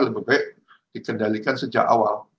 lebih baik dikendalikan sejak awal